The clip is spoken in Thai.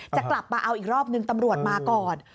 จะกลับมาเอาอีกรอบนึงตำรวจมาก่อน